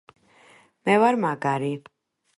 მე ვარ მაგარი